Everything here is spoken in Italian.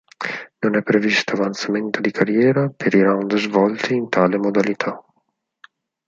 Non è previsto avanzamento di carriera per i round svolti in tale modalità.